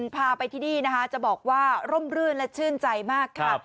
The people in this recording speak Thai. พาไปที่นี่นะคะจะบอกว่าร่มรื่นและชื่นใจมากค่ะ